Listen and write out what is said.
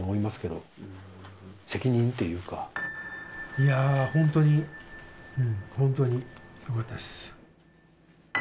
いや本当に本当によかったです。